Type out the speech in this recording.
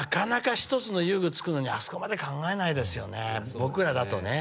僕らだとね。